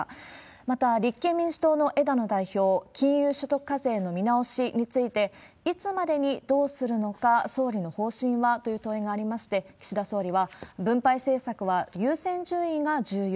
また、立憲民主党の枝野代表、金融所得課税の見直しについて、いつまでにどうするのか、総理の方針はという問いがありまして、岸田総理は、分配政策は優先順位が重要。